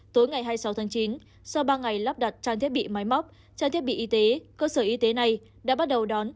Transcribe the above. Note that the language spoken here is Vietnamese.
tối ngày hai mươi sáu tháng chín sau ba ngày lắp đặt trang thiết bị máy móc trang thiết bị y tế cơ sở y tế này đã bắt đầu đón